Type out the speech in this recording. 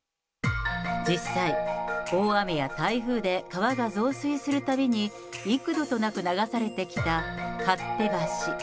実際、大雨や台風で川が増水するたびに、幾度となく流されてきた勝手橋。